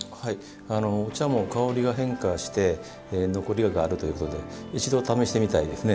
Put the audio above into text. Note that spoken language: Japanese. お茶も香りが変化して残り香があるということで一度、試してみたいですね。